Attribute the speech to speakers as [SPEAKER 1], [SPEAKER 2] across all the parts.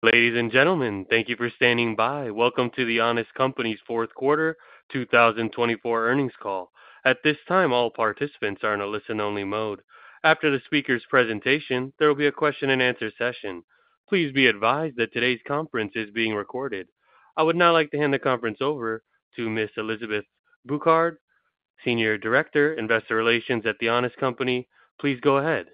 [SPEAKER 1] Ladies and gentlemen, thank you for standing by. Welcome to The Honest Company's fourth quarter 2024 earnings call. At this time, all participants are in a listen-only mode. After the speaker's presentation, there will be a question-and-answer session. Please be advised that today's conference is being recorded. I would now like to hand the conference over to Ms. Elizabeth Bouquard, Senior Director, Investor Relations at The Honest Company. Please go ahead.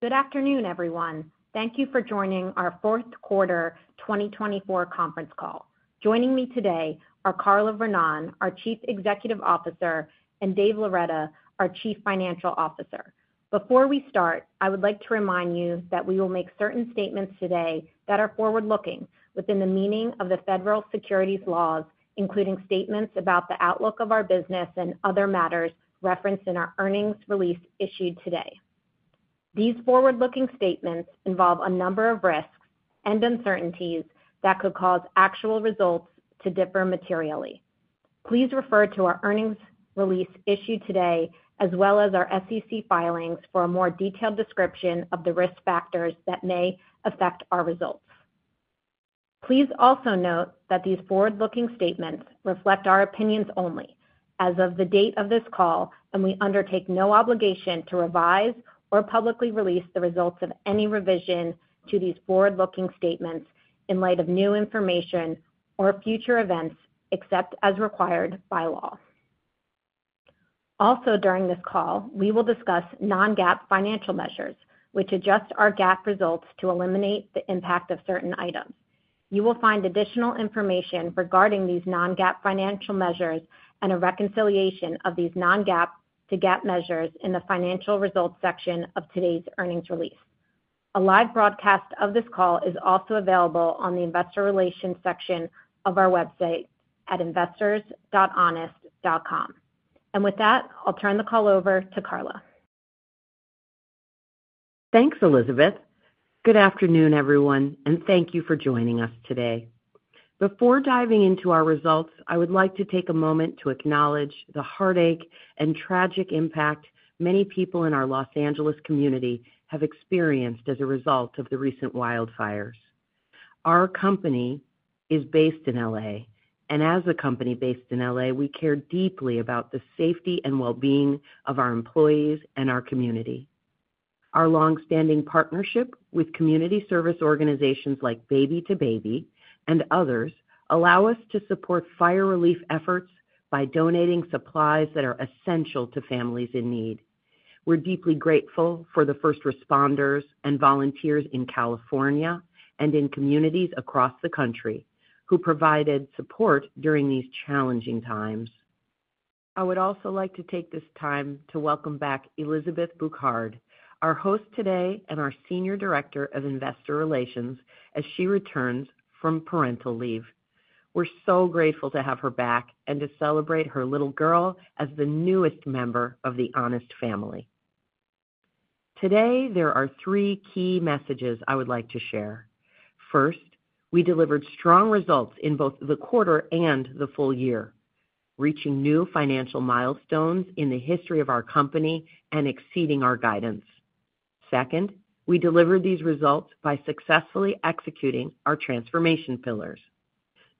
[SPEAKER 2] Good afternoon, everyone. Thank you for joining our fourth quarter 2024 conference call. Joining me today are Carla Vernón, our Chief Executive Officer, and Dave Loretta, our Chief Financial Officer. Before we start, I would like to remind you that we will make certain statements today that are forward-looking within the meaning of the federal securities laws, including statements about the outlook of our business and other matters referenced in our earnings release issued today. These forward-looking statements involve a number of risks and uncertainties that could cause actual results to differ materially. Please refer to our earnings release issued today, as well as our SEC filings, for a more detailed description of the risk factors that may affect our results. Please also note that these forward-looking statements reflect our opinions only as of the date of this call, and we undertake no obligation to revise or publicly release the results of any revision to these forward-looking statements in light of new information or future events, except as required by law. Also, during this call, we will discuss non-GAAP financial measures, which adjust our GAAP results to eliminate the impact of certain items. You will find additional information regarding these non-GAAP financial measures and a reconciliation of these non-GAAP to GAAP measures in the financial results section of today's earnings release. A live broadcast of this call is also available on the investor relations section of our website at investors.honest.com. And with that, I'll turn the call over to Carla.
[SPEAKER 3] Thanks, Elizabeth. Good afternoon, everyone, and thank you for joining us today. Before diving into our results, I would like to take a moment to acknowledge the heartache and tragic impact many people in our Los Angeles community have experienced as a result of the recent wildfires. Our company is based in L.A., and as a company based in L.A., we care deeply about the safety and well-being of our employees and our community. Our longstanding partnership with community service organizations like Baby2Baby and others allows us to support fire relief efforts by donating supplies that are essential to families in need. We're deeply grateful for the first responders and volunteers in California and in communities across the country who provided support during these challenging times. I would also like to take this time to welcome back Elizabeth Bouquard, our host today and our Senior Director of Investor Relations, as she returns from parental leave. We're so grateful to have her back and to celebrate her little girl as the newest member of the Honest Family. Today, there are three key messages I would like to share. First, we delivered strong results in both the quarter and the full year, reaching new financial milestones in the history of our company and exceeding our guidance. Second, we delivered these results by successfully executing our Transformation Pillars.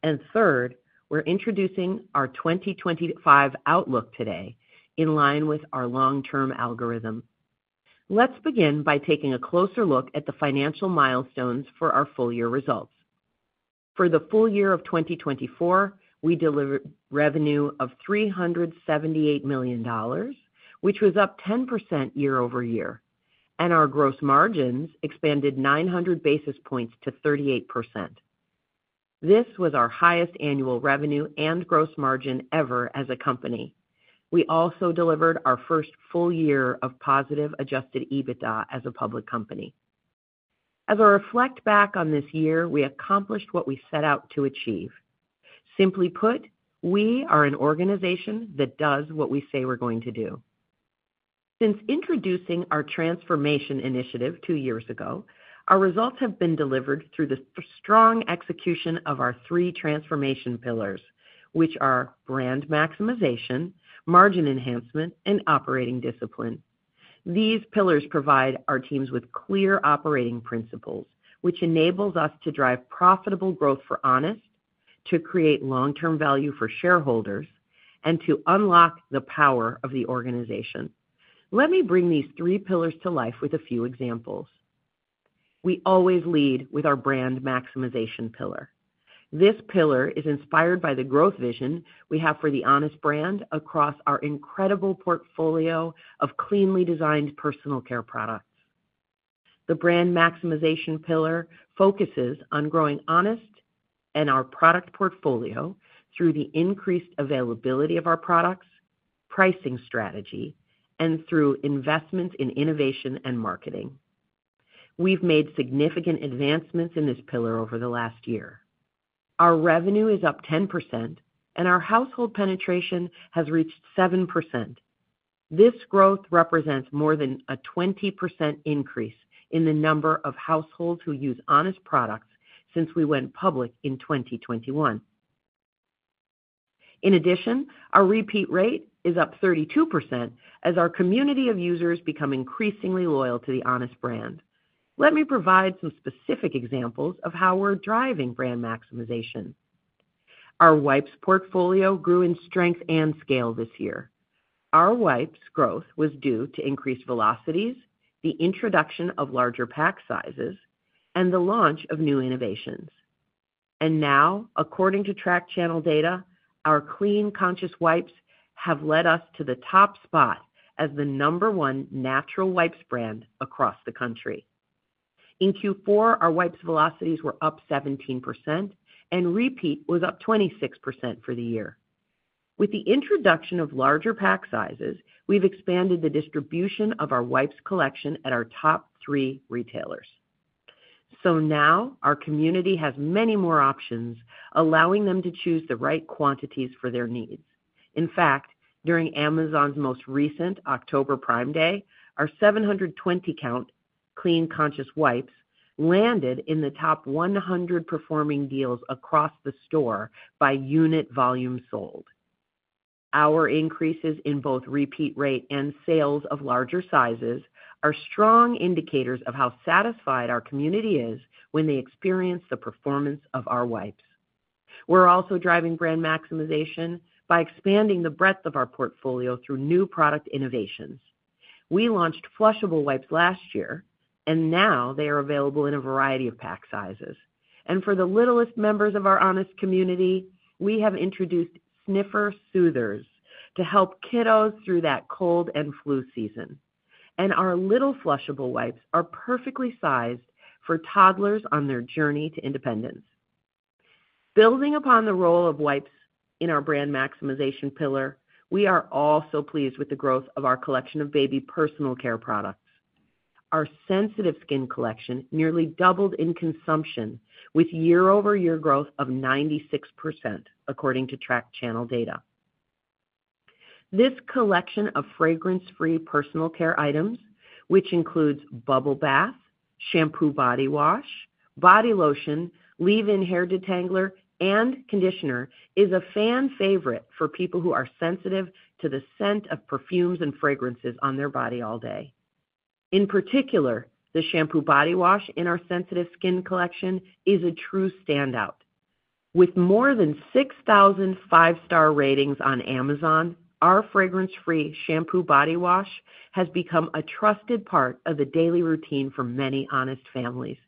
[SPEAKER 3] And third, we're introducing our 2025 outlook today in line with our long-term algorithm. Let's begin by taking a closer look at the financial milestones for our full-year results. For the full year of 2024, we delivered revenue of $378 million, which was up 10% year-over-year, and our gross margins expanded 900 basis points to 38%. This was our highest annual revenue and gross margin ever as a company. We also delivered our first full year of positive adjusted EBITDA as a public company. As we reflect back on this year, we accomplished what we set out to achieve. Simply put, we are an organization that does what we say we're going to do. Since introducing our transformation initiative two years ago, our results have been delivered through the strong execution of our three Transformation Pillars, which are Brand Maximization, Margin Enhancement, and Operating Discipline. These pillars provide our teams with clear operating principles, which enables us to drive profitable growth for Honest, to create long-term value for shareholders, and to unlock the power of the organization. Let me bring these three pillars to life with a few examples. We always lead with our Brand Maximization Pillar. This pillar is inspired by the growth vision we have for the Honest brand across our incredible portfolio of cleanly designed personal care products. The Brand Maximization Pillar focuses on growing Honest and our product portfolio through the increased availability of our products, pricing strategy, and through investments in innovation and marketing. We've made significant advancements in this pillar over the last year. Our revenue is up 10%, and our household penetration has reached 7%. This growth represents more than a 20% increase in the number of households who use Honest products since we went public in 2021. In addition, our repeat rate is up 32% as our community of users become increasingly loyal to the Honest brand. Let me provide some specific examples of how we're driving Brand Maximization. Our wipes portfolio grew in strength and scale this year. Our wipes growth was due to increased velocities, the introduction of larger pack sizes, and the launch of new innovations. And now, according to tracked channel data, our Clean Conscious Wipes have led us to the top spot as the number one natural wipes brand across the country. In Q4, our wipes velocities were up 17%, and repeat was up 26% for the year. With the introduction of larger pack sizes, we've expanded the distribution of our wipes collection at our top three retailers. So now our community has many more options, allowing them to choose the right quantities for their needs. In fact, during Amazon's most recent October Prime Day, our 720-count Clean Conscious Wipes landed in the top 100 performing deals across the store by unit volume sold. Our increases in both repeat rate and sales of larger sizes are strong indicators of how satisfied our community is when they experience the performance of our wipes. We're also driving Brand Maximization by expanding the breadth of our portfolio through new product innovations. We launched Flushable Wipes last year, and now they are available in a variety of pack sizes, and for the littlest members of our Honest community, we have introduced Sniffer Soothers to help kiddos through that cold and flu season, and our little Flushable Wipes are perfectly sized for toddlers on their journey to independence. Building upon the role of wipes in our Brand Maximization pillar, we are also pleased with the growth of our collection of baby personal care products. Our sensitive skin collection nearly doubled in consumption, with year-over-year growth of 96%, according to tracked channel data. This collection of fragrance-free personal care items, which includes bubble bath, shampoo, body wash, body lotion, leave-in hair detangler, and conditioner, is a fan favorite for people who are sensitive to the scent of perfumes and fragrances on their body all day. In particular, the shampoo body wash in our sensitive skin collection is a true standout. With more than 6,000 five-star ratings on Amazon, our fragrance-free shampoo body wash has become a trusted part of the daily routine for many Honest families.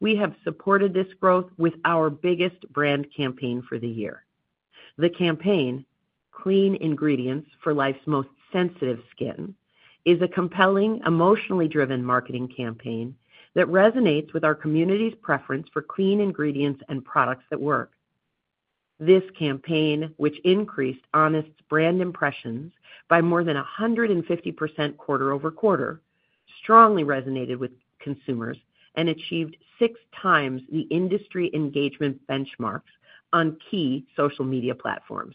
[SPEAKER 3] We have supported this growth with our biggest brand campaign for the year. The campaign, Clean Ingredients for Life's Most Sensitive Skin, is a compelling, emotionally driven marketing campaign that resonates with our community's preference for clean ingredients and products that work. This campaign, which increased Honest's brand impressions by more than 150% quarter- over-quarter, strongly resonated with consumers and achieved six times the industry engagement benchmarks on key social media platforms,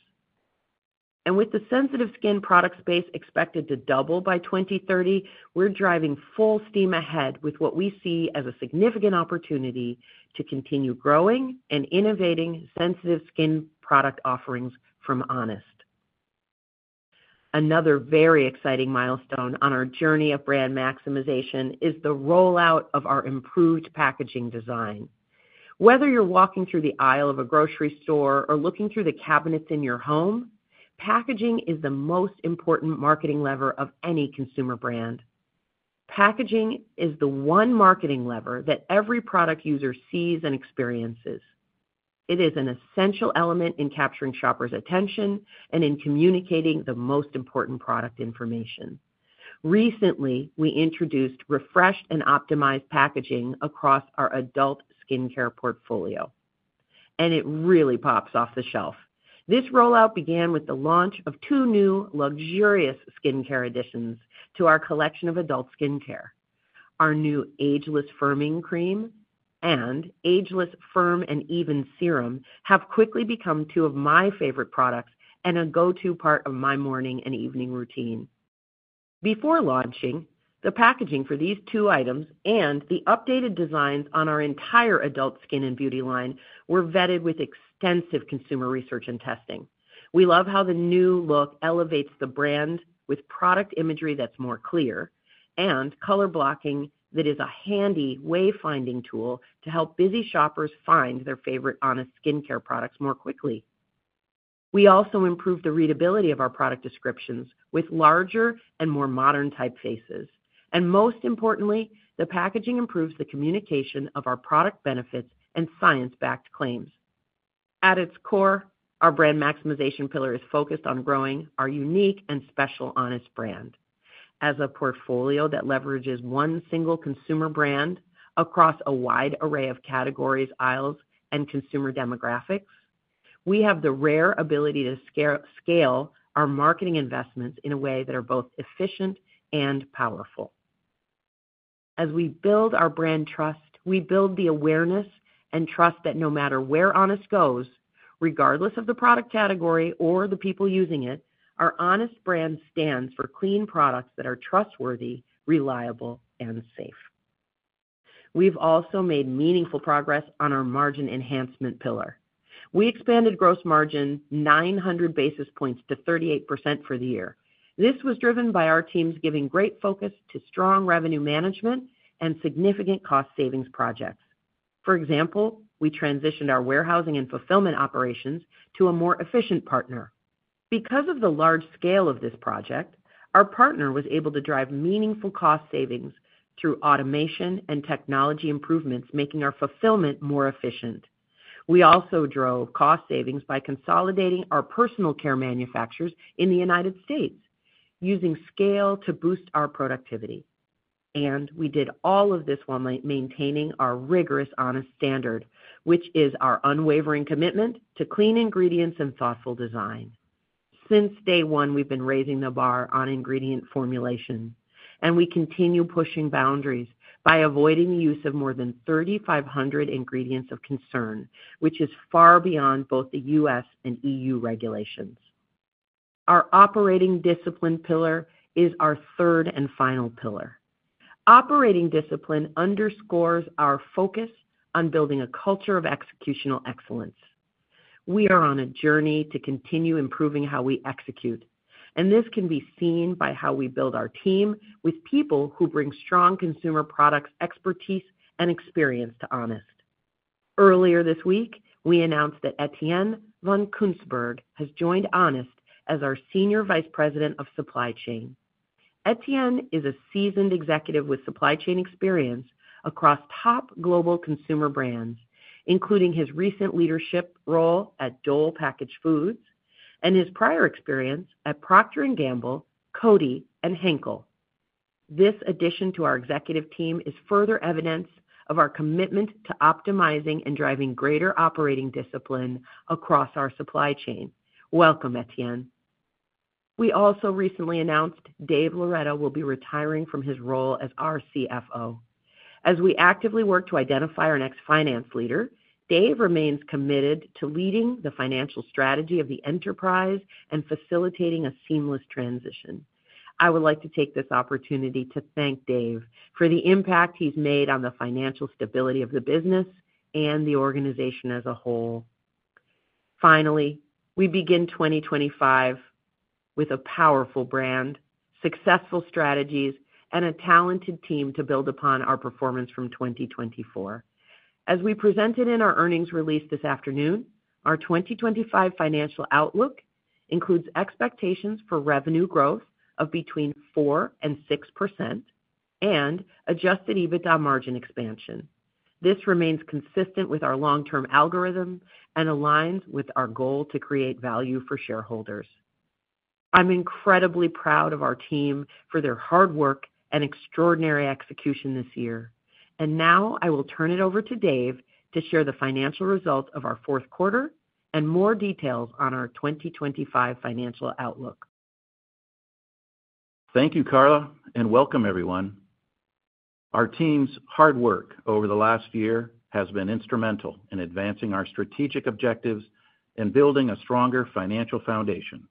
[SPEAKER 3] and with the sensitive skin product space expected to double by 2030, we're driving full steam ahead with what we see as a significant opportunity to continue growing and innovating sensitive skin product offerings from Honest. Another very exciting milestone on our journey of Brand Maximization is the rollout of our improved packaging design. Whether you're walking through the aisle of a grocery store or looking through the cabinets in your home, packaging is the most important marketing lever of any consumer brand. Packaging is the one marketing lever that every product user sees and experiences. It is an essential element in capturing shoppers' attention and in communicating the most important product information. Recently, we introduced refreshed and optimized packaging across our adult skincare portfolio, and it really pops off the shelf. This rollout began with the launch of two new luxurious skincare additions to our collection of adult skincare. Our new Ageless Firming Cream and Ageless Firm and Even Serum have quickly become two of my favorite products and a go-to part of my morning and evening routine. Before launching, the packaging for these two items and the updated designs on our entire adult skin and beauty line were vetted with extensive consumer research and testing. We love how the new look elevates the brand with product imagery that's more clear and color blocking that is a handy wayfinding tool to help busy shoppers find their favorite Honest skincare products more quickly. We also improved the readability of our product descriptions with larger and more modern typefaces. Most importantly, the packaging improves the communication of our product benefits and science-backed claims. At its core, our Brand Maximization Pillar is focused on growing our unique and special Honest brand. As a portfolio that leverages one single consumer brand across a wide array of categories, aisles, and consumer demographics, we have the rare ability to scale our marketing investments in a way that are both efficient and powerful. As we build our brand trust, we build the awareness and trust that no matter where Honest goes, regardless of the product category or the people using it, our Honest brand stands for clean products that are trustworthy, reliable, and safe. We've also made meaningful progress on our Margin Enhancement Pillar. We expanded gross margin 900 basis points to 38% for the year. This was driven by our teams giving great focus to strong revenue management and significant cost savings projects. For example, we transitioned our warehousing and fulfillment operations to a more efficient partner. Because of the large scale of this project, our partner was able to drive meaningful cost savings through automation and technology improvements, making our fulfillment more efficient. We also drove cost savings by consolidating our personal care manufacturers in the United States, using scale to boost our productivity, and we did all of this while maintaining our rigorous Honest standard, which is our unwavering commitment to clean ingredients and thoughtful design. Since day one, we've been raising the bar on ingredient formulation, and we continue pushing boundaries by avoiding the use of more than 3,500 ingredients of concern, which is far beyond both the U.S. and EU regulations. Our Operating Discipline Pillar is our third and final pillar. Operating Discipline underscores our focus on building a culture of executional excellence. We are on a journey to continue improving how we execute, and this can be seen by how we build our team with people who bring strong consumer products expertise and experience to Honest. Earlier this week, we announced that Etienne von Kunssberg has joined Honest as our Senior Vice President of Supply Chain. Etienne is a seasoned executive with supply chain experience across top global consumer brands, including his recent leadership role at Dole Packaged Foods and his prior experience at Procter & Gamble, Coty, and Henkel. This addition to our executive team is further evidence of our commitment to optimizing and driving greater Operating Discipline across our supply chain. Welcome, Etienne. We also recently announced Dave Loretta will be retiring from his role as our CFO. As we actively work to identify our next finance leader, Dave remains committed to leading the financial strategy of the enterprise and facilitating a seamless transition. I would like to take this opportunity to thank Dave for the impact he's made on the financial stability of the business and the organization as a whole. Finally, we begin 2025 with a powerful brand, successful strategies, and a talented team to build upon our performance from 2024. As we presented in our earnings release this afternoon, our 2025 financial outlook includes expectations for revenue growth of between 4% and 6% and adjusted EBITDA margin expansion. This remains consistent with our long-term algorithm and aligns with our goal to create value for shareholders. I'm incredibly proud of our team for their hard work and extraordinary execution this year. And now I will turn it over to Dave to share the financial results of our fourth quarter and more details on our 2025 financial outlook.
[SPEAKER 4] Thank you, Carla, and welcome, everyone. Our team's hard work over the last year has been instrumental in advancing our strategic objective in building a stronger financial foundation.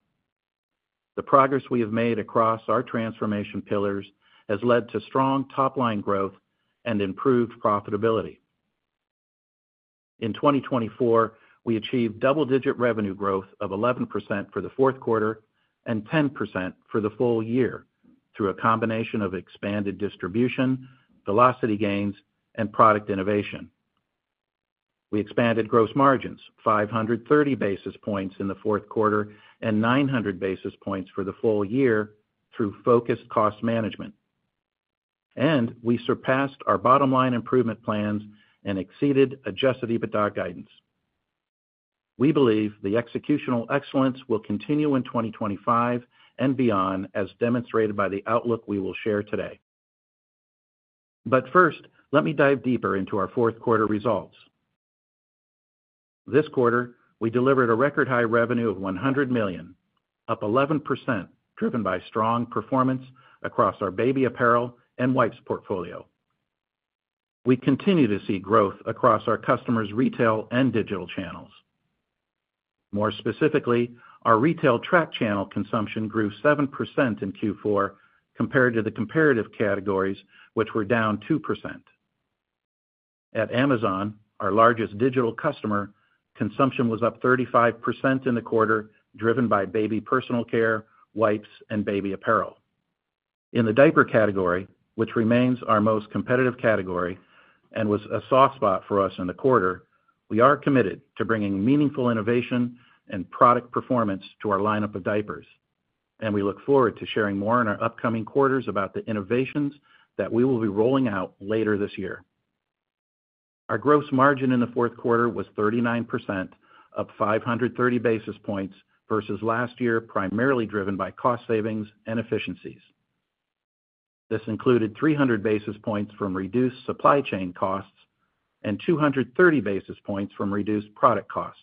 [SPEAKER 4] The progress we have made across our Transformation Pillars has led to strong top-line growth and improved profitability. In 2024, we achieved double-digit revenue growth of 11% for the fourth quarter and 10% for the full year through a combination of expanded distribution, velocity gains, and product innovation. We expanded gross margins 530 basis points in the fourth quarter and 900 basis points for the full year through focused cost management. And we surpassed our bottom-line improvement plans and exceeded adjusted EBITDA guidance. We believe the executional excellence will continue in 2025 and beyond, as demonstrated by the outlook we will share today. But first, let me dive deeper into our fourth quarter results. This quarter, we delivered a record-high revenue of $100 million, up 11%, driven by strong performance across our baby apparel and wipes portfolio. We continue to see growth across our customers' retail and digital channels. More specifically, our retail tracked channel consumption grew 7% in Q4 compared to the comparative categories, which were down 2%. At Amazon, our largest digital customer, consumption was up 35% in the quarter, driven by baby personal care, wipes, and baby apparel. In the diaper category, which remains our most competitive category and was a soft spot for us in the quarter, we are committed to bringing meaningful innovation and product performance to our lineup of diapers. We look forward to sharing more in our upcoming quarters about the innovations that we will be rolling out later this year. Our gross margin in the fourth quarter was 39%, up 530 basis points versus last year, primarily driven by cost savings and efficiencies. This included 300 basis points from reduced supply chain costs and 230 basis points from reduced product costs.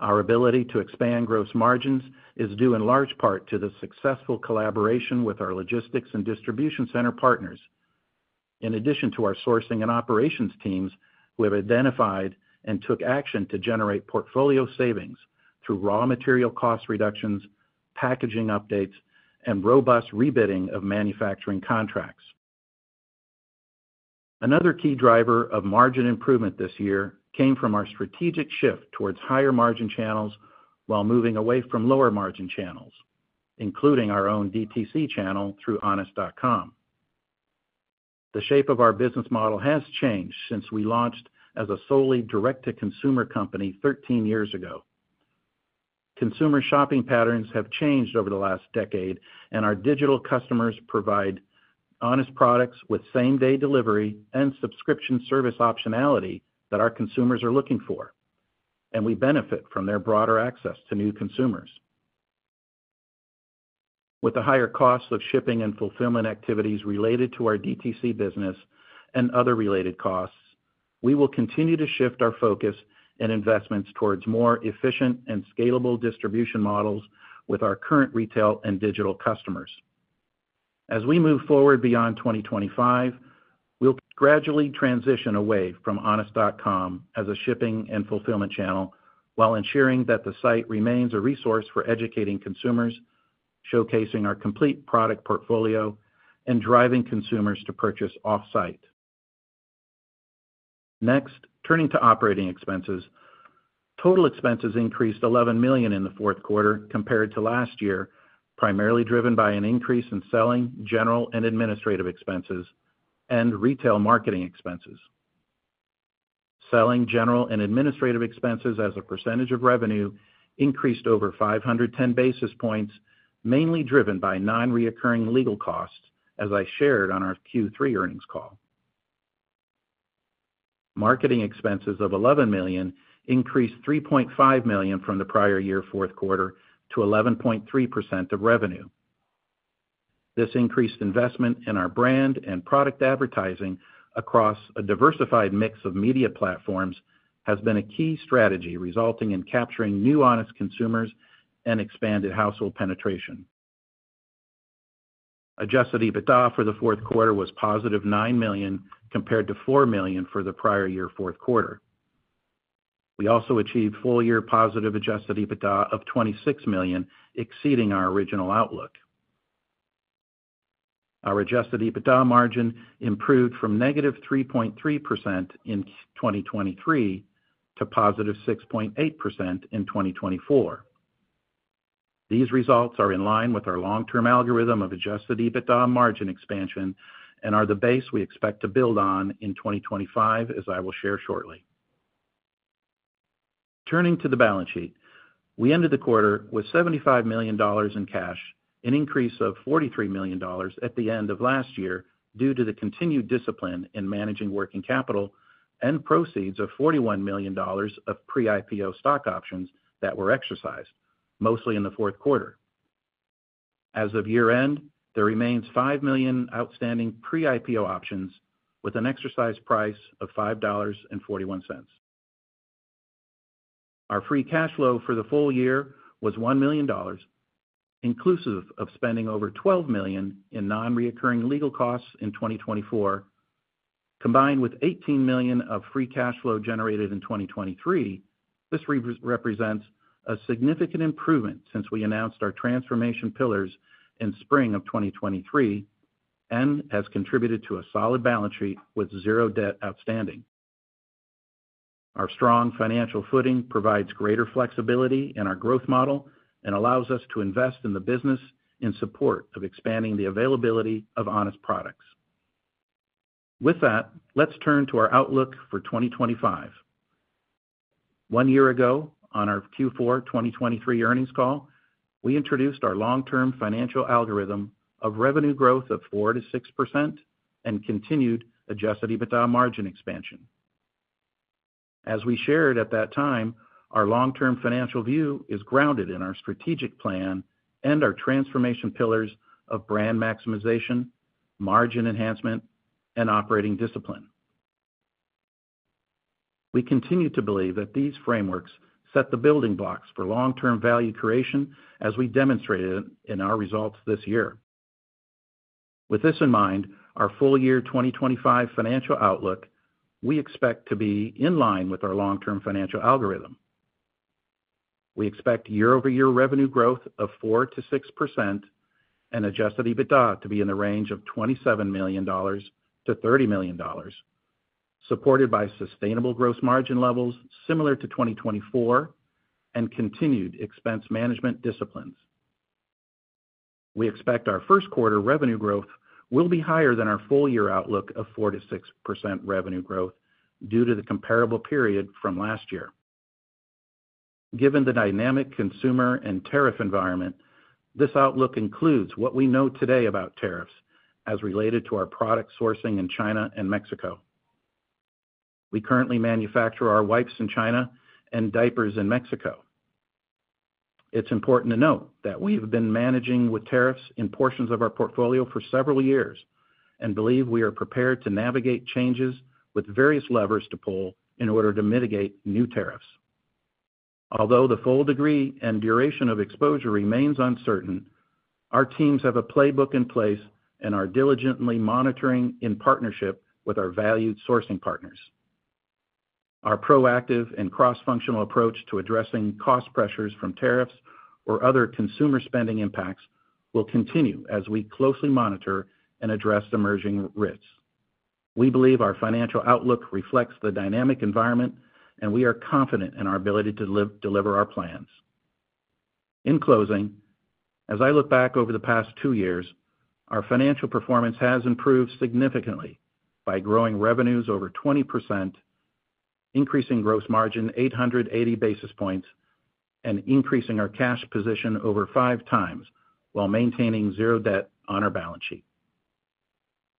[SPEAKER 4] Our ability to expand gross margins is due in large part to the successful collaboration with our logistics and distribution center partners. In addition to our sourcing and operations teams, we have identified and took action to generate portfolio savings through raw material cost reductions, packaging updates, and robust rebidding of manufacturing contracts. Another key driver of margin improvement this year came from our strategic shift towards higher margin channels while moving away from lower margin channels, including our own DTC channel through honest.com. The shape of our business model has changed since we launched as a solely direct-to-consumer company 13 years ago. Consumer shopping patterns have changed over the last decade, and our digital customers provide Honest products with same-day delivery and subscription service optionality that our consumers are looking for, and we benefit from their broader access to new consumers. With the higher costs of shipping and fulfillment activities related to our DTC business and other related costs, we will continue to shift our focus and investments towards more efficient and scalable distribution models with our current retail and digital customers. As we move forward beyond 2025, we'll gradually transition away from Honest.com as a shipping and fulfillment channel while ensuring that the site remains a resource for educating consumers, showcasing our complete product portfolio, and driving consumers to purchase off-site. Next, turning to operating expenses, total expenses increased $11 million in the fourth quarter compared to last year, primarily driven by an increase in selling general and administrative expenses and retail marketing expenses. Selling general and administrative expenses as a percentage of revenue increased over 510 basis points, mainly driven by non-recurring legal costs, as I shared on our Q3 earnings call. Marketing expenses of $11 million increased $3.5 million from the prior year fourth quarter to 11.3% of revenue. This increased investment in our brand and product advertising across a diversified mix of media platforms has been a key strategy resulting in capturing new Honest consumers and expanded household penetration. Adjusted EBITDA for the fourth quarter was positive $9 million compared to $4 million for the prior year fourth quarter. We also achieved full-year positive adjusted EBITDA of $26 million, exceeding our original outlook. Our adjusted EBITDA margin improved from negative 3.3% in 2023 to positive 6.8% in 2024. These results are in line with our long-term algorithm of adjusted EBITDA margin expansion and are the base we expect to build on in 2025, as I will share shortly. Turning to the balance sheet, we ended the quarter with $75 million in cash, an increase of $43 million at the end of last year due to the continued discipline in managing working capital and proceeds of $41 million of pre-IPO stock options that were exercised, mostly in the fourth quarter. As of year-end, there remains five million outstanding pre-IPO options with an exercise price of $5.41. Our free cash flow for the full year was $1 million, inclusive of spending over $12 million in non-recurring legal costs in 2024. Combined with $18 million of free cash flow generated in 2023, this represents a significant improvement since we announced our Transformation Pillars in spring of 2023 and has contributed to a solid balance sheet with zero debt outstanding. Our strong financial footing provides greater flexibility in our growth model and allows us to invest in the business in support of expanding the availability of Honest products. With that, let's turn to our outlook for 2025. One year ago, on our Q4 2023 earnings call, we introduced our long-term financial algorithm of revenue growth of 4%-6% and continued adjusted EBITDA margin expansion. As we shared at that time, our long-term financial view is grounded in our strategic plan and our Transformation Pillars of Brand Maximization, Margin Enhancement, and Operating Discipline. We continue to believe that these frameworks set the building blocks for long-term value creation, as we demonstrated in our results this year. With this in mind, our full-year 2025 financial outlook we expect to be in line with our long-term financial algorithm. We expect year-over-year revenue growth of 4%-6% and adjusted EBITDA to be in the range of $27 million-$30 million, supported by sustainable gross margin levels similar to 2024 and continued expense management disciplines. We expect our first quarter revenue growth will be higher than our full-year outlook of 4%-6% revenue growth due to the comparable period from last year. Given the dynamic consumer and tariff environment, this outlook includes what we know today about tariffs as related to our product sourcing in China and Mexico. We currently manufacture our wipes in China and diapers in Mexico. It's important to note that we have been managing with tariffs in portions of our portfolio for several years and believe we are prepared to navigate changes with various levers to pull in order to mitigate new tariffs. Although the full degree and duration of exposure remains uncertain, our teams have a playbook in place and are diligently monitoring in partnership with our valued sourcing partners. Our proactive and cross-functional approach to addressing cost pressures from tariffs or other consumer spending impacts will continue as we closely monitor and address emerging risks. We believe our financial outlook reflects the dynamic environment, and we are confident in our ability to deliver our plans. In closing, as I look back over the past two years, our financial performance has improved significantly by growing revenues over 20%, increasing gross margin 880 basis points, and increasing our cash position over five times while maintaining zero debt on our balance sheet,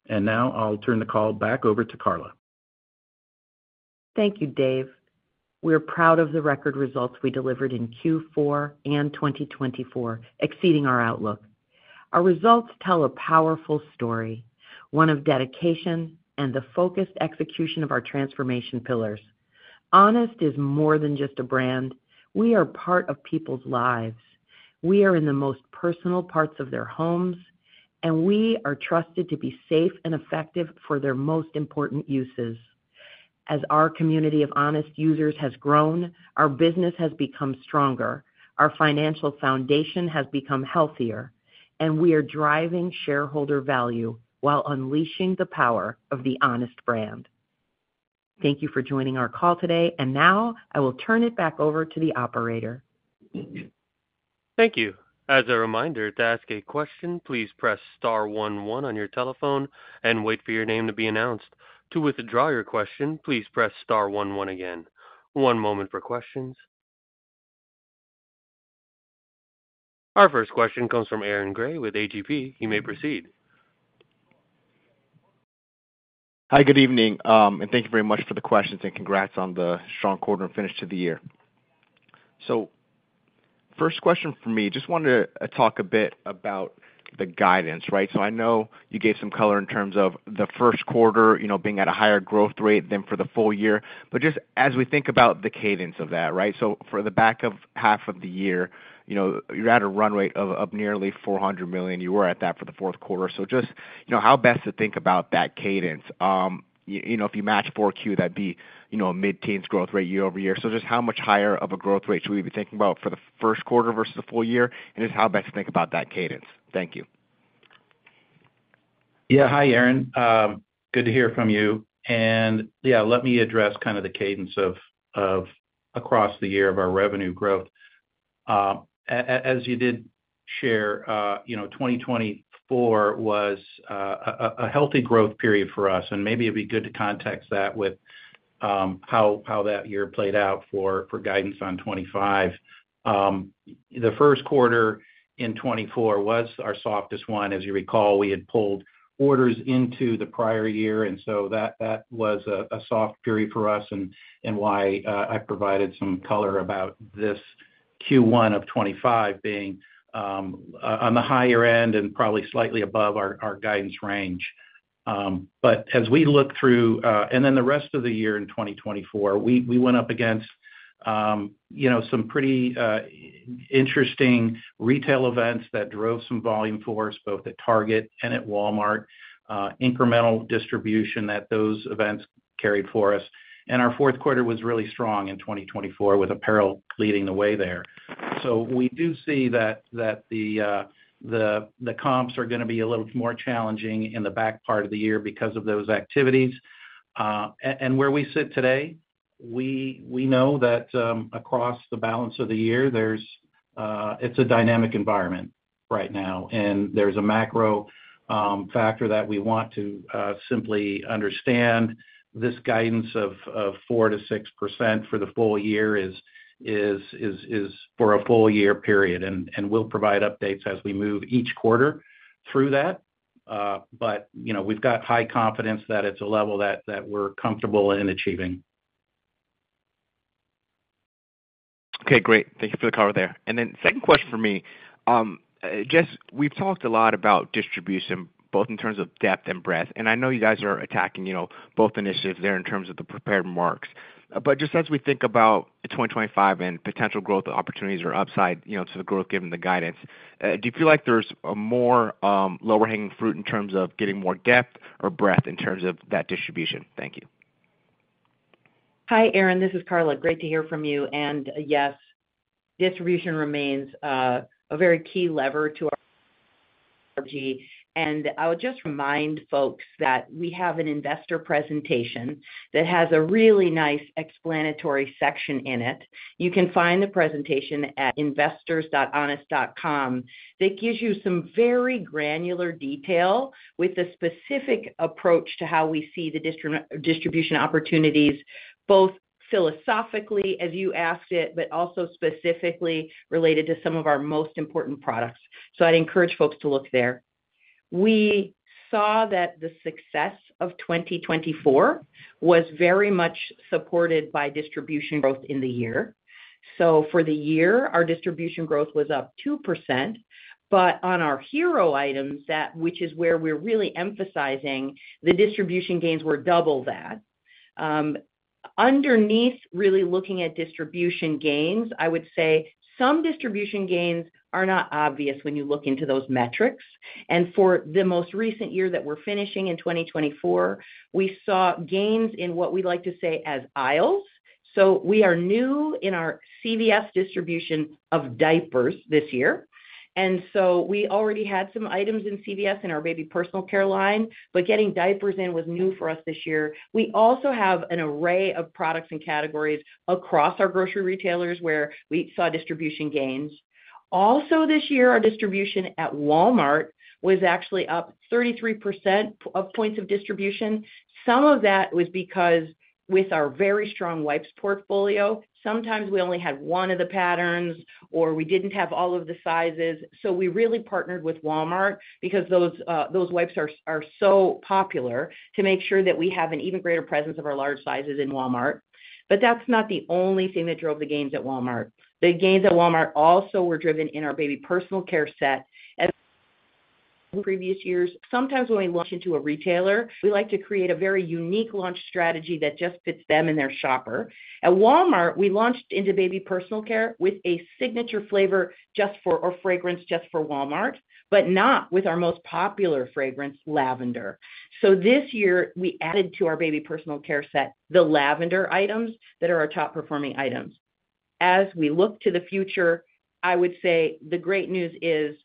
[SPEAKER 4] and now I'll turn the call back over to Carla.
[SPEAKER 3] Thank you, Dave. We're proud of the record results we delivered in Q4 and 2024, exceeding our outlook. Our results tell a powerful story, one of dedication and the focused execution of our Transformation Pillars. Honest is more than just a brand. We are part of people's lives. We are in the most personal parts of their homes, and we are trusted to be safe and effective for their most important uses. As our community of Honest users has grown, our business has become stronger, our financial foundation has become healthier, and we are driving shareholder value while unleashing the power of the Honest brand. Thank you for joining our call today, and now I will turn it back over to the operator.
[SPEAKER 1] Thank you. As a reminder, to ask a question, please press star 11 on your telephone and wait for your name to be announced. To withdraw your question, please press star one one again. One moment for questions. Our first question comes from Aaron Grey with A.G.P. You may proceed.
[SPEAKER 5] Hi, good evening, and thank you very much for the questions and congrats on the strong quarter and finish to the year, so first question for me, just wanted to talk a bit about the guidance, right? So I know you gave some color in terms of the first quarter being at a higher growth rate than for the full year, but just as we think about the cadence of that, right? So for the back half of the year, you're at a run rate of nearly $400 million. You were at that for the fourth quarter. So just how best to think about that cadence? If you match 4Q, that'd be a mid-teens growth rate year-over-year. So just how much higher of a growth rate should we be thinking about for the first quarter versus the full year? And just how best to think about that cadence? Thank you.
[SPEAKER 4] Yeah. Hi, Aaron. Good to hear from you. And yeah, let me address kind of the cadence across the year of our revenue growth. As you did share, 2024 was a healthy growth period for us, and maybe it'd be good to context that with how that year played out for guidance on 2025. The first quarter in 2024 was our softest one. As you recall, we had pulled orders into the prior year, and so that was a soft period for us. And why I provided some color about this Q1 of 2025 being on the higher end and probably slightly above our guidance range. But as we look through, and then the rest of the year in 2024, we went up against some pretty interesting retail events that drove some volume for us, both at Target and at Walmart, incremental distribution that those events carried for us. And our fourth quarter was really strong in 2024 with apparel leading the way there. So we do see that the comps are going to be a little more challenging in the back part of the year because of those activities. And where we sit today, we know that across the balance of the year, it's a dynamic environment right now. And there's a macro factor that we want to simply understand. This guidance of 4%-6% for the full year is for a full-year period, and we'll provide updates as we move each quarter through that. But we've got high confidence that it's a level that we're comfortable in achieving.
[SPEAKER 5] Okay, great. Thank you for the cover there. And then second question for me, guess, we've talked a lot about distribution, both in terms of depth and breadth. And I know you guys are attacking both initiatives there in terms of the prepared remarks. But just as we think about 2025 and potential growth opportunities or upside to the growth, given the guidance, do you feel like there's a more lower-hanging fruit in terms of getting more depth or breadth in terms of that distribution? Thank you.
[SPEAKER 3] Hi, Aaron. This is Carla. Great to hear from you. And yes, distribution remains a very key lever to our strategy. And I would just remind folks that we have an investor presentation that has a really nice explanatory section in it. You can find the presentation at investors.honest.com. That gives you some very granular detail with a specific approach to how we see the distribution opportunities, both philosophically, as you asked it, but also specifically related to some of our most important products. So I'd encourage folks to look there. We saw that the success of 2024 was very much supported by distribution growth in the year. So for the year, our distribution growth was up 2%. But on our hero items, which is where we're really emphasizing, the distribution gains were double that. Underneath, really looking at distribution gains, I would say some distribution gains are not obvious when you look into those metrics. And for the most recent year that we're finishing in 2024, we saw gains in what we like to say as aisles. So we are new in our CVS distribution of diapers this year. And so we already had some items in CVS in our baby personal care line, but getting diapers in was new for us this year. We also have an array of products and categories across our grocery retailers where we saw distribution gains. Also this year, our distribution at Walmart was actually up 33 points of distribution. Some of that was because with our very strong wipes portfolio, sometimes we only had one of the patterns or we didn't have all of the sizes. So we really partnered with Walmart because those wipes are so popular to make sure that we have an even greater presence of our large sizes in Walmart. But that's not the only thing that drove the gains at Walmart. The gains at Walmart also were driven in our baby personal care segment as in previous years. Sometimes when we launch into a retailer, we like to create a very unique launch strategy that just fits them and their shopper. At Walmart, we launched into baby personal care with a signature flavor or fragrance just for Walmart, but not with our most popular fragrance, lavender. So this year, we added to our baby personal care set the lavender items that are our top-performing items. As we look to the future, I would say the great news is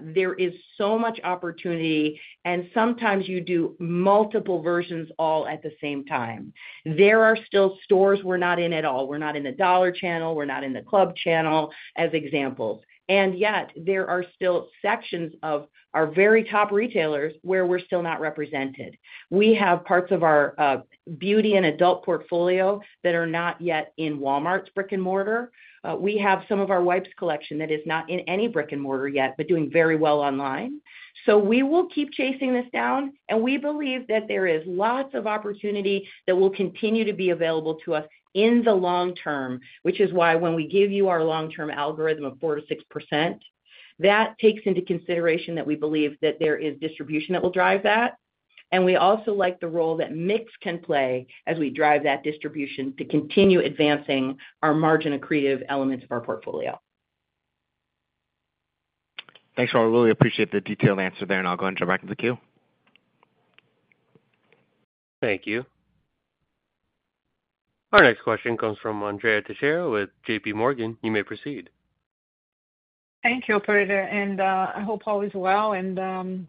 [SPEAKER 3] there is so much opportunity, and sometimes you do multiple versions all at the same time. There are still stores we're not in at all. We're not in the dollar channel. We're not in the club channel as examples. And yet, there are still sections of our very top retailers where we're still not represented. We have parts of our beauty and adult portfolio that are not yet in Walmart's brick and mortar. We have some of our wipes collection that is not in any brick and mortar yet, but doing very well online. So we will keep chasing this down, and we believe that there is lots of opportunity that will continue to be available to us in the long term, which is why when we give you our long-term algorithm of 4%-6%, that takes into consideration that we believe that there is distribution that will drive that. And we also like the role that mix can play as we drive that distribution to continue advancing our margin accretive elements of our portfolio.
[SPEAKER 5] Thanks, Carla. Really appreciate the detailed answer there, and I'll go ahead and jump back into the queue.
[SPEAKER 1] Thank you. Our next question comes from Andrea Teixeira with JPMorgan. You may proceed.
[SPEAKER 6] Thank you, Operator. And I hope always well, and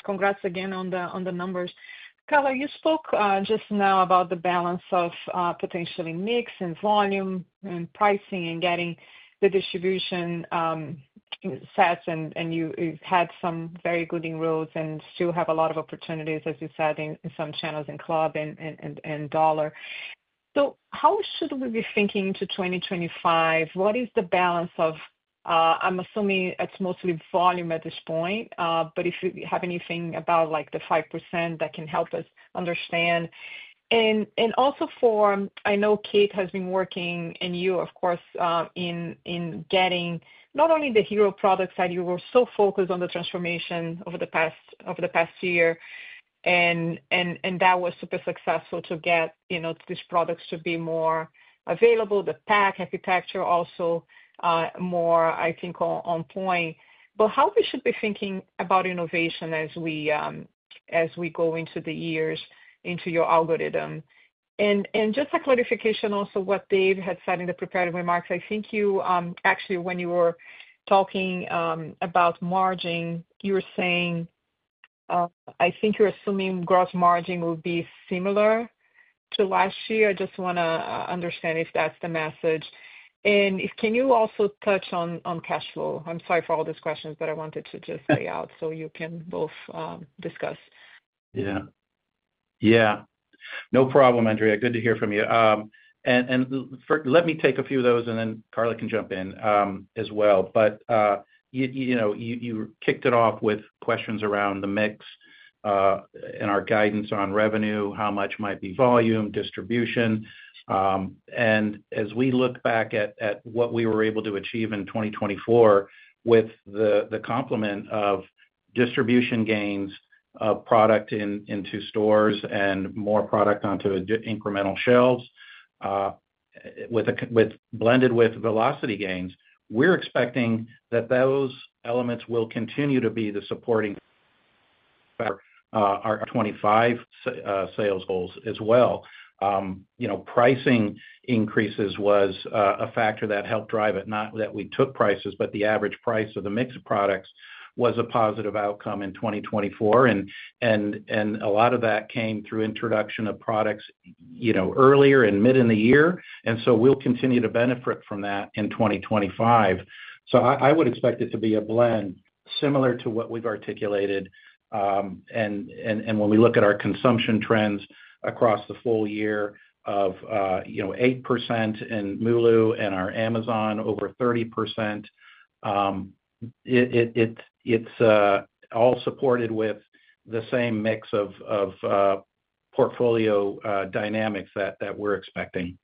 [SPEAKER 6] congrats again on the numbers. Carla, you spoke just now about the balance of potentially mix and volume and pricing and getting the distribution sets, and you've had some very good inroads and still have a lot of opportunities, as you said, in some channels and club and dollar. So how should we be thinking to 2025? What is the balance of? I'm assuming it's mostly volume at this point, but if you have anything about the 5% that can help us understand. And also for, I know Kate has been working, and you, of course, in getting not only the hero products that you were so focused on the transformation over the past year, and that was super successful to get these products to be more available, the pack architecture also more, I think, on point. But how we should be thinking about innovation as we go into the years into your algorithm? And just a clarification also what Dave had said in the prepared remarks. I think you actually, when you were talking about margin, you were saying I think you're assuming gross margin will be similar to last year. I just want to understand if that's the message. And can you also touch on cash flow? I'm sorry for all these questions, but I wanted to just lay out so you can both discuss.
[SPEAKER 4] Yeah. Yeah. No problem, Andrea. Good to hear from you. And let me take a few of those, and then Carla can jump in as well. But you kicked it off with questions around the mix and our guidance on revenue, how much might be volume, distribution. And as we look back at what we were able to achieve in 2024 with the complement of distribution gains of product into stores and more product onto incremental shelves blended with velocity gains, we're expecting that those elements will continue to be the supporting for our 2025 sales goals as well. Pricing increases was a factor that helped drive it, not that we took prices, but the average price of the mix of products was a positive outcome in 2024. And a lot of that came through introduction of products earlier and mid in the year. And so we'll continue to benefit from that in 2025. So I would expect it to be a blend similar to what we've articulated. When we look at our consumption trends across the full year of 8% in MULO and our Amazon over 30%, it's all supported with the same mix of portfolio dynamics that we're expecting.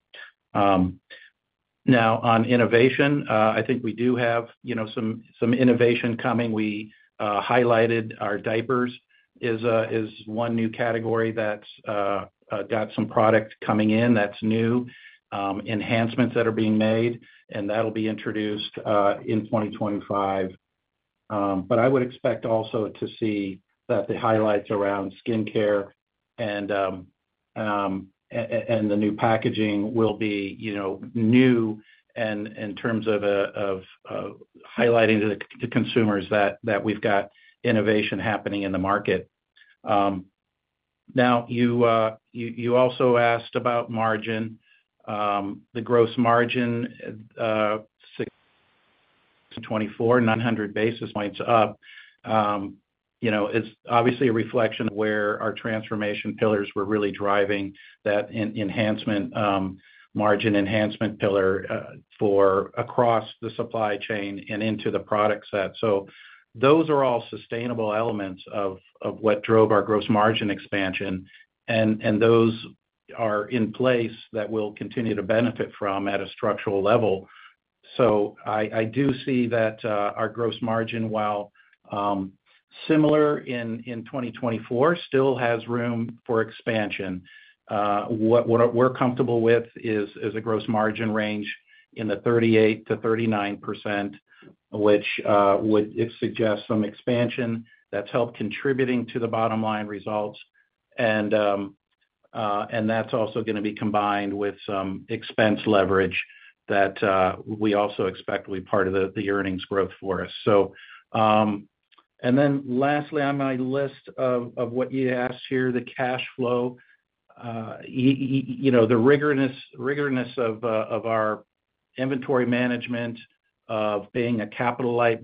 [SPEAKER 4] Now, on innovation, I think we do have some innovation coming. We highlighted our diapers is one new category that's got some product coming in that's new, enhancements that are being made, and that'll be introduced in 2025. I would expect also to see that the highlights around skincare and the new packaging will be new in terms of highlighting to consumers that we've got innovation happening in the market. Now, you also asked about margin. The gross margin in 2024, 900 basis points up, is obviously a reflection of where our Transformation Pillars were really driving that Margin Enhancement Pillar across the supply chain and into the product set. So those are all sustainable elements of what drove our gross margin expansion. And those are in place that we'll continue to benefit from at a structural level. So I do see that our gross margin, while similar in 2024, still has room for expansion. What we're comfortable with is a gross margin range in the 38%-39%, which would suggest some expansion that's helped contributing to the bottom line results. And that's also going to be combined with some expense leverage that we also expect will be part of the earnings growth for us. And then lastly, on my list of what you asked here, the cash flow, the rigorousness of our inventory management, of being a capital-like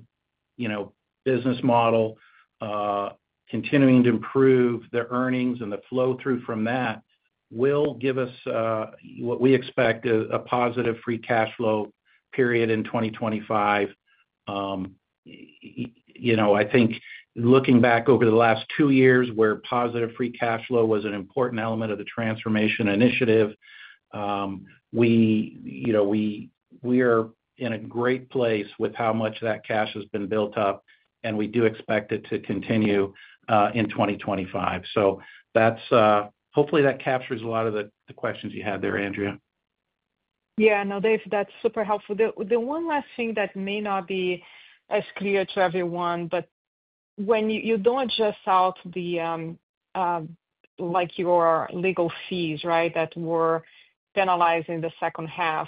[SPEAKER 4] business model, continuing to improve the earnings and the flow through from that will give us what we expect is a positive free cash flow period in 2025. I think looking back over the last two years where positive free cash flow was an important element of the transformation initiative, we are in a great place with how much that cash has been built up, and we do expect it to continue in 2025. So hopefully that captures a lot of the questions you had there, Andrea.
[SPEAKER 6] Yeah. No, Dave, that's super helpful. The one last thing that may not be as clear to everyone, but when you don't adjust out your legal fees, right, that were penalized in the second half,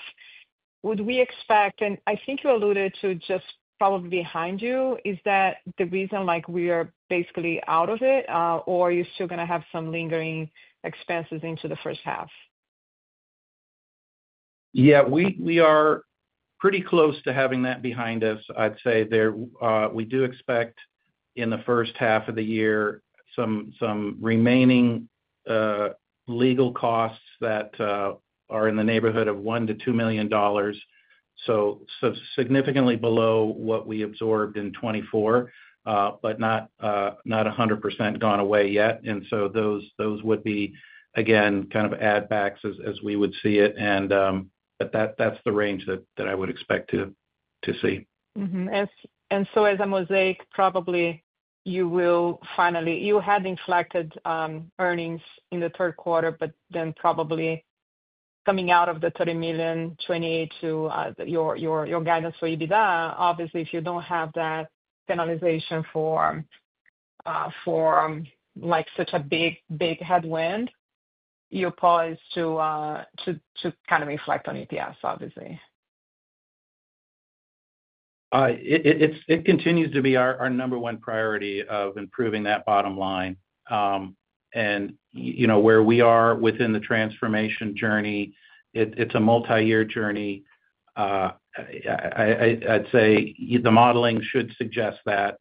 [SPEAKER 6] would we expect, and I think you alluded to just probably behind you, is that the reason we are basically out of it, or are you still going to have some lingering expenses into the first half?
[SPEAKER 4] Yeah. We are pretty close to having that behind us, I'd say. We do expect in the first half of the year some remaining legal costs that are in the neighborhood of $1 million-$2 million, so significantly below what we absorbed in 2024, but not 100% gone away yet. And so those would be, again, kind of add backs as we would see it. And that's the range that I would expect to see.
[SPEAKER 6] And so as a mosaic, probably you will finally—you had inflected earnings in the third quarter, but then probably coming out of the $30 million, $28 million to your guidance for EBITDA. Obviously, if you don't have that penalization for such a big headwind, your pause to kind of inflect on EPS, obviously.
[SPEAKER 4] It continues to be our number one priority of improving that bottom line. And where we are within the transformation journey, it's a multi-year journey. I'd say the modeling should suggest that.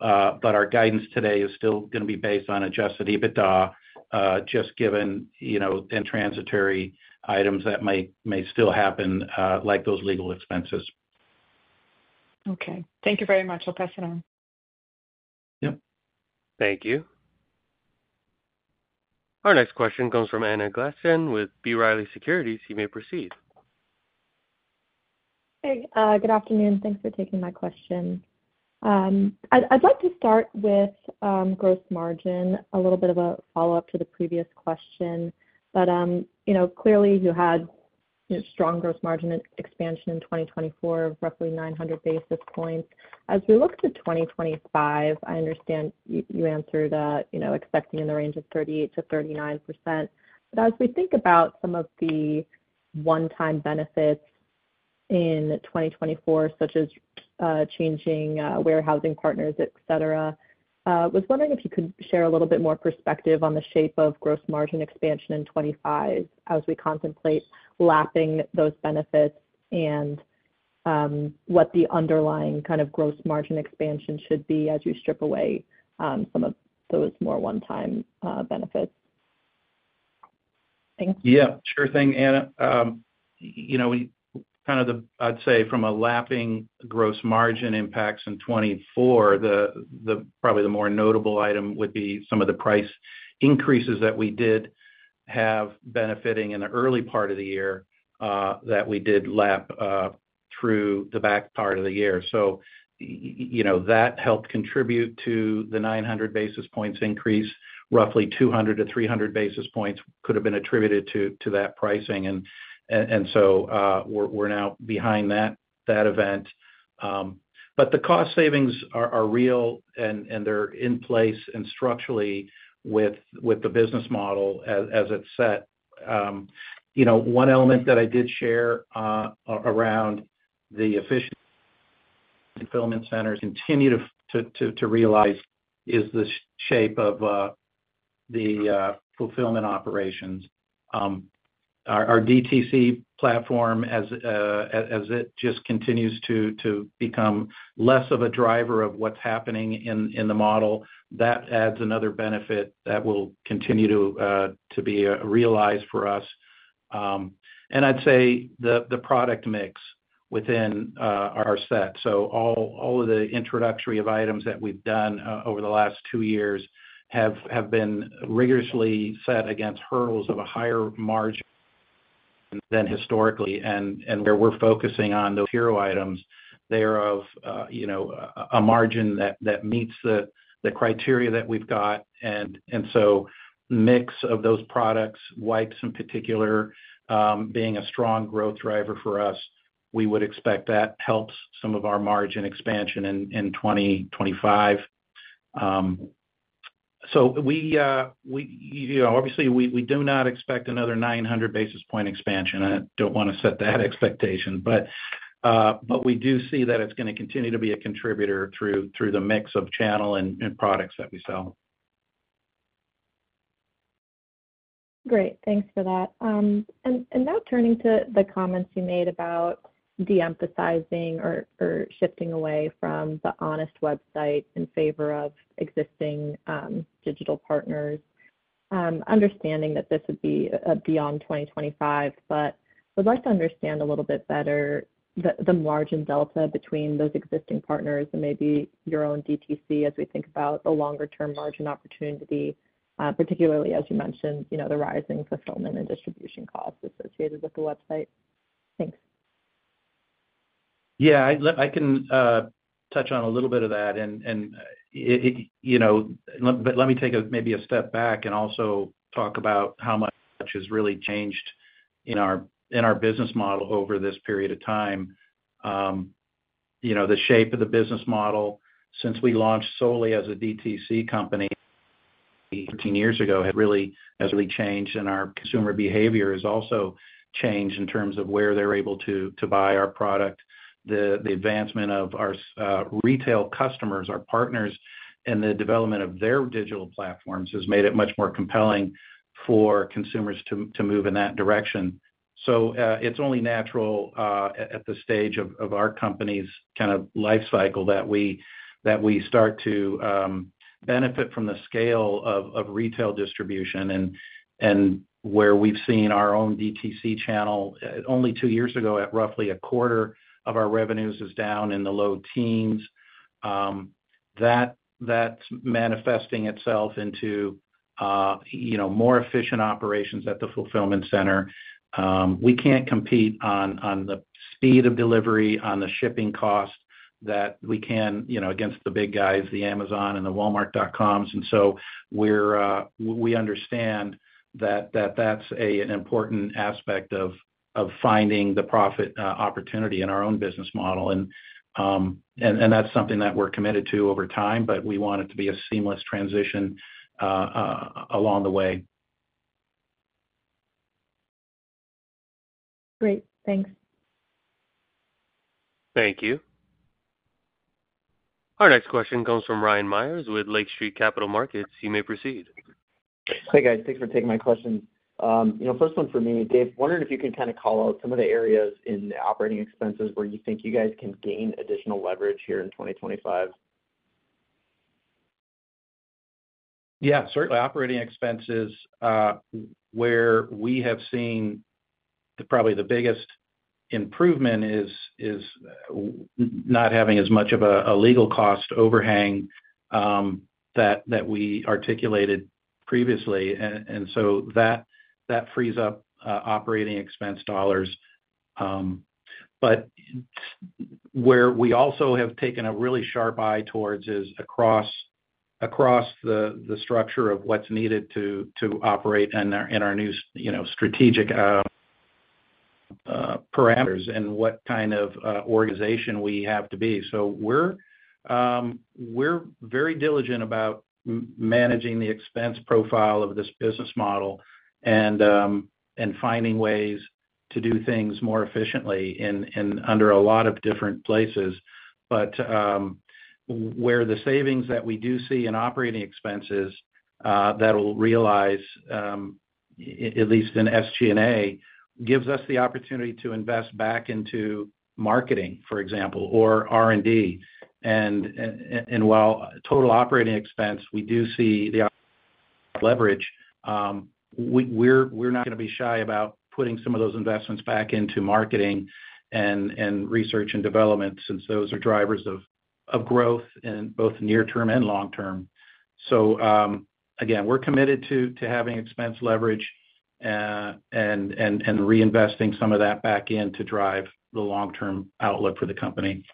[SPEAKER 4] But our guidance today is still going to be based on adjusted EBITDA, just given transitory items that may still happen, like those legal expenses.
[SPEAKER 6] Okay. Thank you very much. I'll pass it on.
[SPEAKER 4] Yep.
[SPEAKER 1] Thank you. Our next question comes from Anna Glaessgen with B. Riley Securities. You may proceed.
[SPEAKER 7] Hey. Good afternoon. Thanks for taking my question. I'd like to start with gross margin, a little bit of a follow-up to the previous question. But clearly, you had strong gross margin expansion in 2024 of roughly 900 basis points. As we look to 2025, I understand you answered expecting in the range of 38%-39%. But as we think about some of the one-time benefits in 2024, such as changing warehousing partners, etc., I was wondering if you could share a little bit more perspective on the shape of gross margin expansion in 2025 as we contemplate lapping those benefits and what the underlying kind of gross margin expansion should be as we strip away some of those more one-time benefits. Thanks.
[SPEAKER 4] Yeah. Sure thing, Anna. Kind of I'd say from a lapping gross margin impacts in 2024, probably the more notable item would be some of the price increases that we did have benefiting in the early part of the year that we did lap through the back part of the year. So that helped contribute to the 900 basis points increase. Roughly 200-300 basis points could have been attributed to that pricing. And so we're now behind that event. But the cost savings are real, and they're in place and structurally with the business model as it's set. One element that I did share around the efficient fulfillment centers continue to realize is the shape of the fulfillment operations. Our DTC platform, as it just continues to become less of a driver of what's happening in the model, that adds another benefit that will continue to be realized for us. And I'd say the product mix within our set. So all of the introductory of items that we've done over the last two years have been rigorously set against hurdles of a higher margin than historically. And we're focusing on the hero items, they're of a margin that meets the criteria that we've got. And so, mix of those products, wipes in particular, being a strong growth driver for us, we would expect that helps some of our margin expansion in 2025. So obviously, we do not expect another 900 basis points expansion. I don't want to set that expectation. But we do see that it's going to continue to be a contributor through the mix of channel and products that we sell.
[SPEAKER 7] Great. Thanks for that. And now turning to the comments you made about de-emphasizing or shifting away from the Honest website in favor of existing digital partners, understanding that this would be beyond 2025, but would like to understand a little bit better the margin delta between those existing partners and maybe your own DTC as we think about the longer-term margin opportunity, particularly, as you mentioned, the rising fulfillment and distribution costs associated with the website. Thanks.
[SPEAKER 4] Yeah. I can touch on a little bit of that, and let me take maybe a step back and also talk about how much has really changed in our business model over this period of time. The shape of the business model since we launched solely as a DTC company 13 years ago has really changed, and our consumer behavior has also changed in terms of where they're able to buy our product. The advancement of our retail customers, our partners, and the development of their digital platforms has made it much more compelling for consumers to move in that direction, so it's only natural at the stage of our company's kind of life cycle that we start to benefit from the scale of retail distribution, and where we've seen our own DTC channel only two years ago at roughly a quarter of our revenues is down in the low teens. That's manifesting itself into more efficient operations at the fulfillment center. We can't compete on the speed of delivery, on the shipping cost that we can against the big guys, the Amazon and the Walmart dotcoms, and so we understand that that's an important aspect of finding the profit opportunity in our own business model, and that's something that we're committed to over time, but we want it to be a seamless transition along the way.
[SPEAKER 7] Great. Thanks.
[SPEAKER 1] Thank you. Our next question comes from Ryan Meyers with Lake Street Capital Markets. You may proceed.
[SPEAKER 8] Hey, guys. Thanks for taking my questions. First one for me, Dave, wondering if you can kind of call out some of the areas in the operating expenses where you think you guys can gain additional leverage here in 2025.
[SPEAKER 4] Yeah. Certainly, operating expenses, where we have seen probably the biggest improvement, is not having as much of a legal cost overhang that we articulated previously, and so that frees up operating expense dollars, but where we also have taken a really sharp eye towards is across the structure of what's needed to operate in our new strategic parameters and what kind of organization we have to be, so we're very diligent about managing the expense profile of this business model and finding ways to do things more efficiently under a lot of different places, but where the savings that we do see in operating expenses that we'll realize, at least in SG&A, gives us the opportunity to invest back into marketing, for example, or R&D. While total operating expense, we do see the leverage. We're not going to be shy about putting some of those investments back into marketing and research and development since those are drivers of growth in both near-term and long-term. Again, we're committed to having expense leverage and reinvesting some of that back into drive the long-term outlook for the company.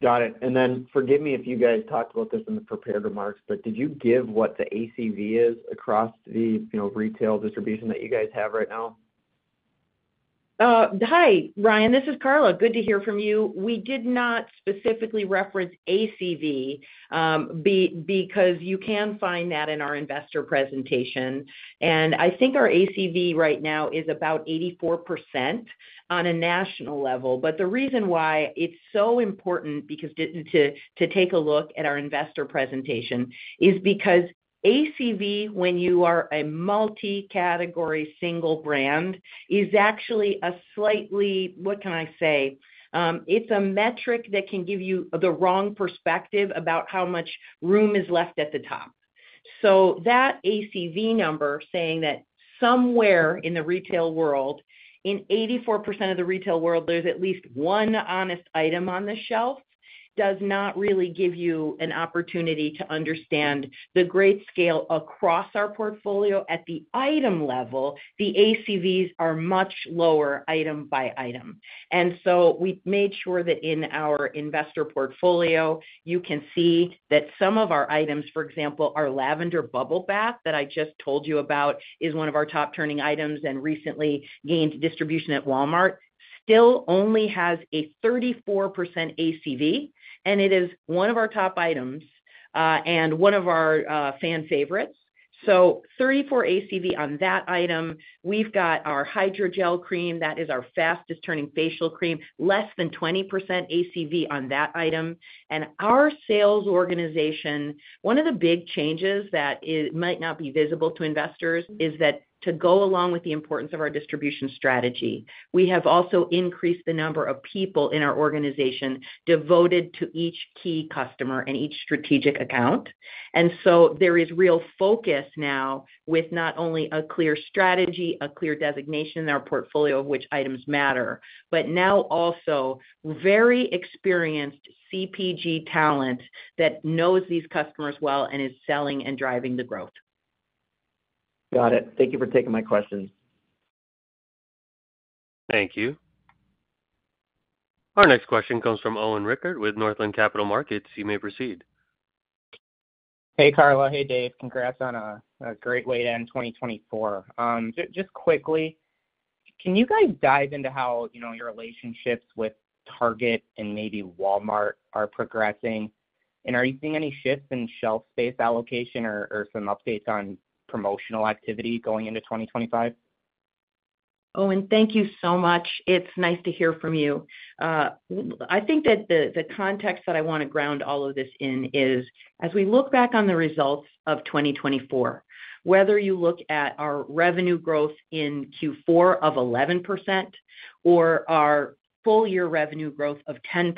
[SPEAKER 8] Got it. Then forgive me if you guys talked about this in the prepared remarks, but did you give what the ACV is across the retail distribution that you guys have right now?
[SPEAKER 3] Hi, Ryan. This is Carla. Good to hear from you. We did not specifically reference ACV because you can find that in our investor presentation. I think our ACV right now is about 84% on a national level. But the reason why it's so important to take a look at our investor presentation is because ACV, when you are a multi-category single brand, is actually a slightly—what can I say? It's a metric that can give you the wrong perspective about how much room is left at the top. So that ACV number saying that somewhere in the retail world, in 84% of the retail world, there's at least one Honest item on the shelf does not really give you an opportunity to understand the great scale across our portfolio. At the item level, the ACVs are much lower item by item. And so we made sure that in our innovation portfolio, you can see that some of our items, for example, our Lavender Bubble Bath that I just told you about is one of our top turning items and recently gained distribution at Walmart, still only has a 34% ACV. And it is one of our top items and one of our fan favorites. So 34 ACV on that item. We've got our Hydrogel Cream that is our fastest turning facial cream, less than 20% ACV on that item. And our sales organization, one of the big changes that might not be visible to investors is that to go along with the importance of our distribution strategy, we have also increased the number of people in our organization devoted to each key customer and each strategic account. And so there is real focus now with not only a clear strategy, a clear designation in our portfolio of which items matter, but now also very experienced CPG talent that knows these customers well and is selling and driving the growth.
[SPEAKER 8] Got it. Thank you for taking my questions.
[SPEAKER 1] Thank you. Our next question comes from Owen Rickert with Northland Capital Markets. You may proceed.
[SPEAKER 9] Hey, Carla. Hey, Dave. Congrats on a great way to end 2024. Just quickly, can you guys dive into how your relationships with Target and maybe Walmart are progressing? And are you seeing any shifts in shelf space allocation or some updates on promotional activity going into 2025?
[SPEAKER 3] Owen, thank you so much. It's nice to hear from you. I think that the context that I want to ground all of this in is, as we look back on the results of 2024, whether you look at our revenue growth in Q4 of 11% or our full-year revenue growth of 10%,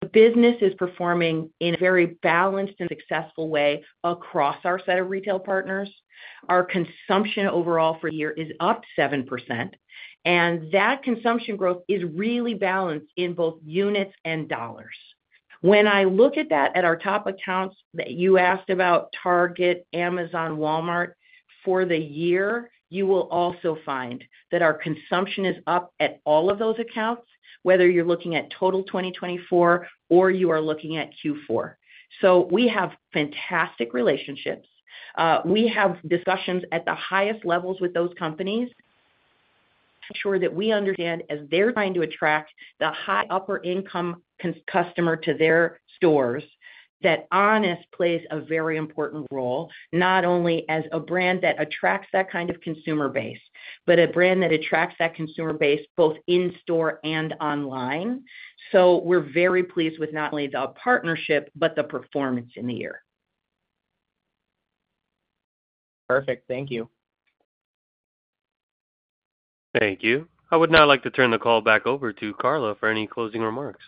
[SPEAKER 3] the business is performing in a very balanced and successful way across our set of retail partners. Our consumption overall for the year is up 7%, and that consumption growth is really balanced in both units and dollars. When I look at that at our top accounts that you asked about, Target, Amazon, Walmart for the year, you will also find that our consumption is up at all of those accounts, whether you're looking at total 2024 or you are looking at Q4, so we have fantastic relationships. We have discussions at the highest levels with those companies. Make sure that we understand, as they're trying to attract the high upper-income customer to their stores, that Honest plays a very important role, not only as a brand that attracts that kind of consumer base, but a brand that attracts that consumer base both in store and online. So we're very pleased with not only the partnership, but the performance in the year.
[SPEAKER 9] Perfect. Thank you.
[SPEAKER 1] Thank you. I would now like to turn the call back over to Carla for any closing remarks.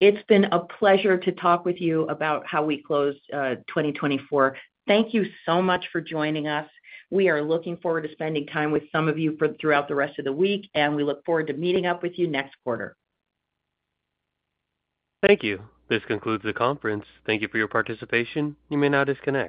[SPEAKER 3] It's been a pleasure to talk with you about how we closed 2024. Thank you so much for joining us. We are looking forward to spending time with some of you throughout the rest of the week, and we look forward to meeting up with you next quarter.
[SPEAKER 1] Thank you. This concludes the conference. Thank you for your participation. You may now disconnect.